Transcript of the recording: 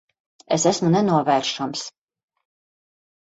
Es esmu nenovēršams.